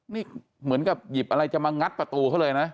นี่เหมือนกับหยิบอะไรจะมางัดประตูเขาเลยนะ